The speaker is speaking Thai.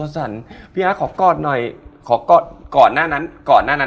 สำหรับแอร์นะ